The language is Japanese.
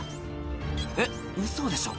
「えっウソでしょ